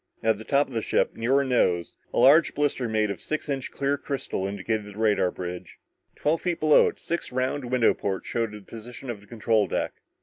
At the top of the ship, near her nose, a large blister made of six inch clear crystal indicated the radar bridge. Twelve feet below it, six round window ports showed the position of the control deck.